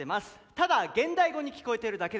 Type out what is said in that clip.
ただ現代語に聞こえてるだけです。